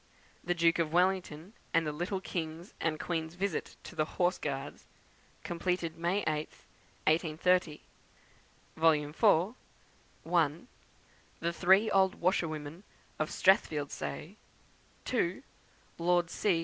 The Duke of Wellington and the little King's and Queen's visit to the Horse Guards; completed May 8th, 1830. 4th Vol.: 1. The three old Washer women of Strathfieldsaye; 2. Lord C.